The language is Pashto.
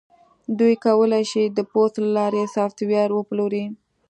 دوی کولی شي د پوست له لارې سافټویر وپلوري